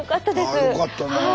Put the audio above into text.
あよかったな。